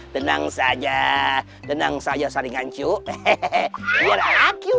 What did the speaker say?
tenang saja tenang saja saringan cuk